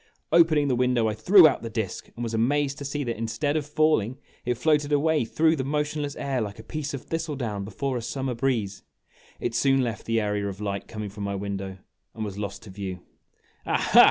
Opening the window, I threw out the disk, and was amazed to see that, instead of falling, it floated away through the motionless air like a piece of thistle down before a summer breeze. It soon left the area of light coming from my window, and was lost to view. "Aha!"